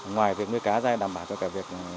ngoài việc nuôi cá ra đảm bảo cho cả việc